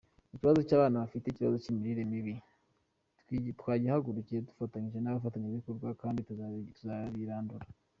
Ikibazo cy’abana bafite ikibazo cy’imirire mibi twagihagurukiye dufatanyije n’abafatanyabikorwa kandi tuzabirandura.